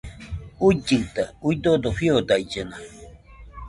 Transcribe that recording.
Uillɨta, uidodo fiodaillena